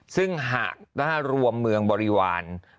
ซึ่งหากรวมเมืองบริวารไปด้วย